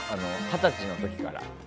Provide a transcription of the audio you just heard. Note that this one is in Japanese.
二十歳の時から。